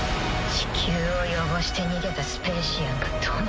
地球を汚して逃げたスペーシアンがどの口で。